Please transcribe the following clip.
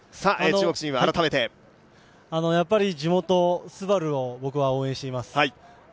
地元・ＳＵＢＡＲＵを僕は応援しています。